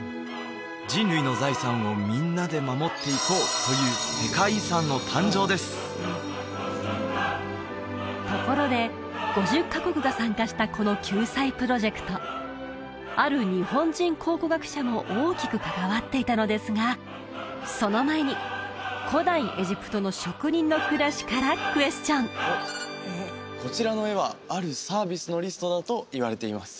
人類の財産をみんなで守っていこうというところで５０カ国が参加したこの救済プロジェクトある日本人考古学者も大きく関わっていたのですがその前に古代エジプトの職人の暮らしからクエスチョンこちらの絵はだといわれています